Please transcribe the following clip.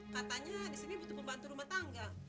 katanya di sini butuh pembantu rumah tangga